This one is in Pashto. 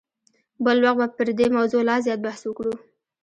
بل وخت به پر دې موضوع لا زیات بحث وکړو.